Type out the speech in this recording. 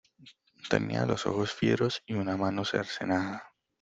tenía los ojos fieros y una mano cercenada.